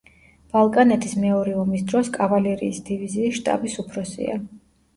ბალკანეთის მეორე ომის დროს კავალერიის დივიზიის შტაბის უფროსია.